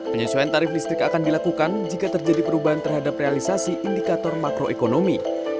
penyesuaian tarif listrik akan dilakukan jika terjadi perubahan terhadap realisasi indikator makroekonomi